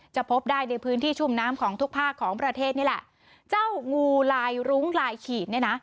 พบได้ในพื้นที่ชุ่มน้ำของทุกภาคของประเทศนี่แหละเจ้างูลายรุ้งลายขีดเนี่ยนะ